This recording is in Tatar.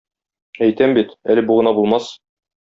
Әйтәм бит, әле бу гына булмас.